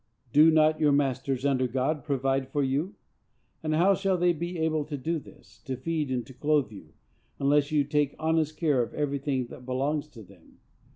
_ Do not your masters, under God, provide for you? And how shall they be able to do this, to feed and to clothe you, unless you take honest care of everything that belongs to them?